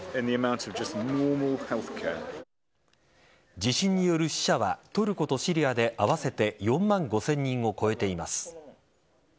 地震による死者はトルコとシリアで合わせて４万５０００人を超えています。